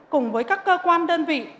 cùng với các cơ quan đơn vị